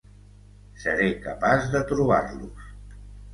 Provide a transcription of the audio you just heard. Seré capaç de trobar-los.